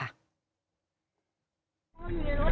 มาเรื่องกันค่ะ